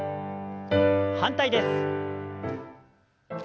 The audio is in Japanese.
反対です。